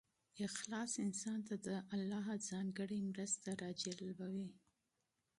اخلاص انسان ته د الله ځانګړې مرسته راجلبوي.